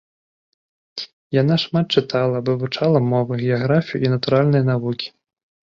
Яна шмат чытала, вывучала мовы, геаграфію і натуральныя навукі.